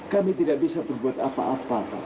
kami tidak bisa berbuat apa apa